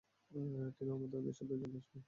টিনা, ও মাত্র দুই সপ্তাহের জন্য আসবে।